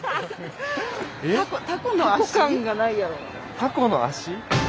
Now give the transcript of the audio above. タコの足？